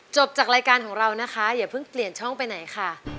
จบจากรายการของเรานะคะอย่าเพิ่งเปลี่ยนช่องไปไหนค่ะ